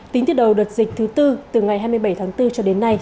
tính tiết đầu đợt dịch thứ bốn từ ngày hai mươi bảy tháng bốn cho đến nay